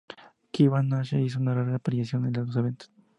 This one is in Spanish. Kevin Nash hizo una rara aparición en los eventos.